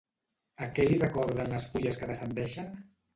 A què li recorden les fulles que descendeixen?